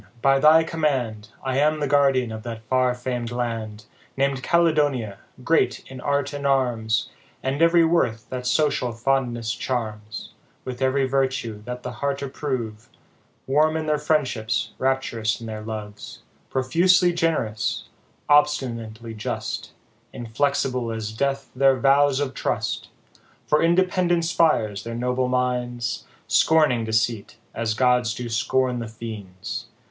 by thy command, I am the guardian of that far fam'd land, Nam'd Caledonia, great in art and arms, And every worth that social fondness charms, With every virtue that the heart approve, Warm in their friendships, rapt'rous in their loves, Profusely generous, obstinately just, Inflexible as death their vows of trust : 86 ODE. For independence fires their noble minds, Scorning deceit, as gods do scorn the fiends.